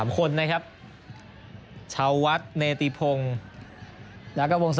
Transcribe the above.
๓คนนะครับชาววัฒน์เนติพงแล้วก็วงศกร